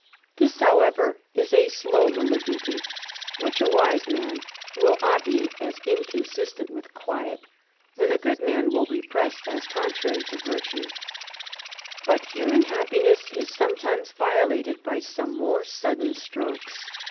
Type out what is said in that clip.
This, however, is a slow malignity, which a wise mai^::: will obviate as inconsistent with quiet, and a good nian wil^ repress as contrary to virtue ; but human happiness i^B sometimes violated by some more sudden strokes.